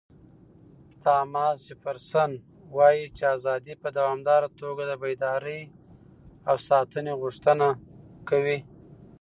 تاماس جفرسن وایي چې ازادي په دوامداره توګه د بیدارۍ او ساتنې غوښتنه کوي.